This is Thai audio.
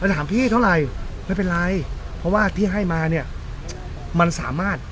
ถามพี่เท่าไหร่ไม่เป็นไรเพราะว่าที่ให้มาเนี่ยมันสามารถ